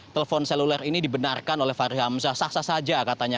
telepon seluler ini dibenarkan oleh fahri hamzah sah sah saja katanya